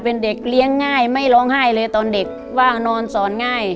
เป็นเด็กเลี้ยงง่ายไม่ร้องไห้เลยตอนเด็กว่างนอนสอนง่าย